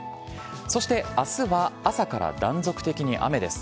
そしてあすは朝から断続的に雨です。